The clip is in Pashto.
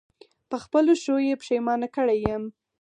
په خپلو ښو یې پښېمانه کړی یم.